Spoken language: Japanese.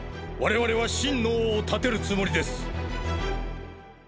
我々は真の王を立てるつもりです。